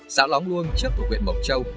xã lóng luông trước thủ quyện mộc châu